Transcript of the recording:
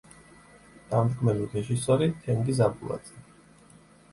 დამდგმელი რეჟისორი: თენგიზ აბულაძე.